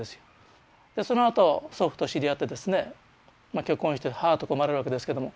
そのあと祖父と知り合ってですね結婚して母とか生まれるわけですけども。